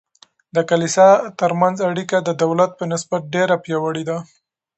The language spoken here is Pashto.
د کلیسا ترمنځ اړیکې د دولت په نسبت ډیر پیاوړي دي.